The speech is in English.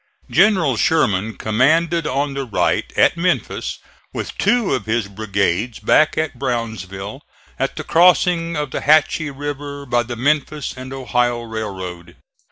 General Sherman commanded on the right at Memphis with two of his brigades back at Brownsville, at the crossing of the Hatchie River by the Memphis and Ohio railroad.